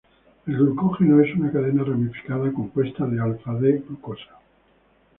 El glucógeno es una cadena ramificada compuesta de alfa-D-glucosa.